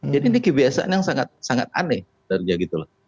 jadi ini kebiasaan yang sangat aneh